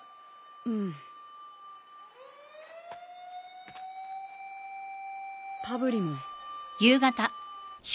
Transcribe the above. うん。パブリモン。